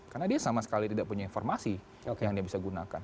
karena dia sama sekali tidak punya informasi yang dia bisa gunakan